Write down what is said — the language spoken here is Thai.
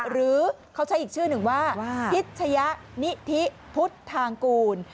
หรือเขาใช้อีกชื่อหนึ่งว่าพิชยะนิธิพุทธทางกูล